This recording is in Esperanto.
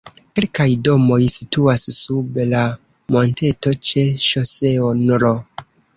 Kelkaj domoj situas sub la monteto ĉe ŝoseo nr.